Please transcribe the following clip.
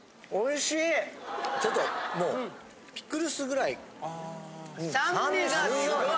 ちょっともうピクルスぐらい酸味すっごい。